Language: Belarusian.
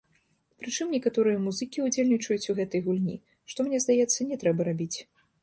Прычым некаторыя музыкі ўдзельнічаюць у гэтай гульні, што, мне здаецца, не трэба рабіць.